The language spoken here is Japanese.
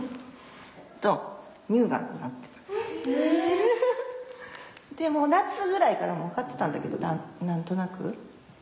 えっ⁉え⁉でもう夏ぐらいから分かってたんだけど何となく。